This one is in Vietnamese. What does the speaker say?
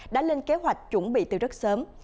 đã lên kế hoạch chuẩn bị từ rất sớm